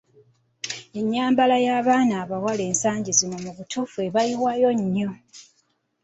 Ennyambala y'abaana bawala ensagi zino mu butuufu ebayiwayo nnyo!